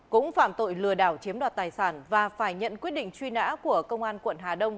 cũng phạm tội lừa đảo chiếm đoạt tài sản và phải nhận quyết định truy nã của công an quận hà đông